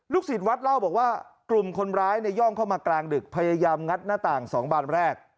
ศิษย์วัดเล่าบอกว่ากลุ่มคนร้ายย่องเข้ามากลางดึกพยายามงัดหน้าต่าง๒บานแรก